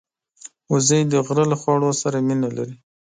وزې د غره له خواړو سره مینه لري